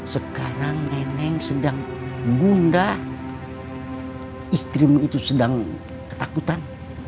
sekarang nenek sedang gunda istrimu itu sedang ketakutan